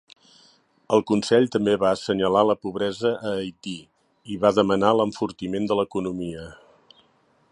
El Consell també va assenyalar la pobresa a Haití i va demanar l'enfortiment de l'economia.